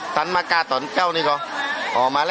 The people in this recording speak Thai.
จีบแมวที่ชั้นใจ